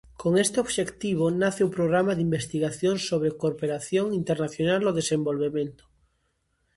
Con este obxectivo nace o Programa de Investigación sobre Cooperación Internacional ao Desenvolvemento.